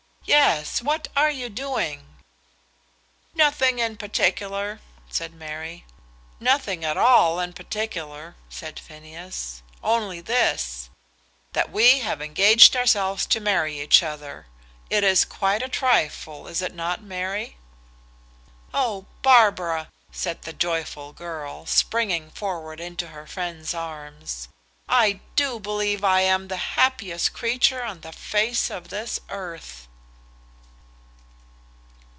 "Yes; what are you doing?" "Nothing in particular," said Mary. "Nothing at all in particular," said Phineas. "Only this, that we have engaged ourselves to marry each other. It is quite a trifle, is it not, Mary?" "Oh, Barbara!" said the joyful girl, springing forward into her friend's arms; "I do believe I am the happiest creature on the face of this earth!"